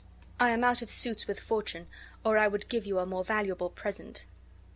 I am out of suits with fortune, or I would give you a more valuable present."